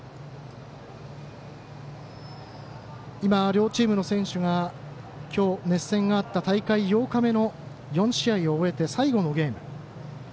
両チームの選手が今日熱戦があった大会８日目の４試合を終えて最後のゲーム。